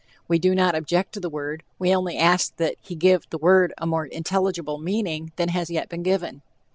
We do not object to the word, we only ask that he give the word a more intelligible meaning than has yet been given.